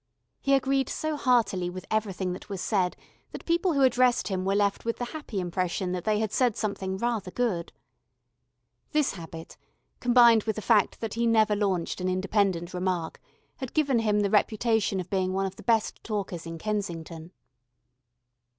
He agreed so heartily with everything that was said that people who addressed him were left with the happy impression that they had said something Rather Good. This habit, combined with the fact that he never launched an independent remark, had given him the reputation of being one of the best talkers in Kensington.